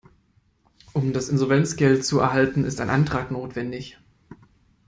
Um das Insolvenzgeld zu erhalten, ist ein Antrag notwendig.